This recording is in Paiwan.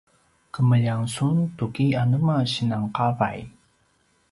kemljang sun tuki anema sinan qavay?